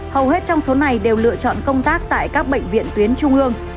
hầu hết trong số này đều lựa chọn công tác tại các bệnh viện tuyến trung ương